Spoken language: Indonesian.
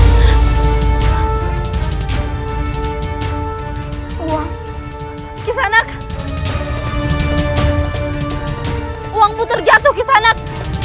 tidak aku tidaknak